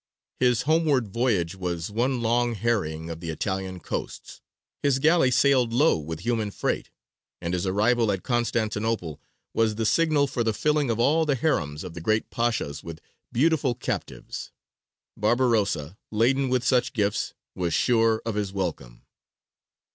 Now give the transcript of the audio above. His homeward voyage was one long harrying of the Italian coasts; his galley sailed low with human freight; and his arrival at Constantinople was the signal for the filling of all the harems of the great pashas with beautiful captives. Barbarossa, laden with such gifts, was sure of his welcome.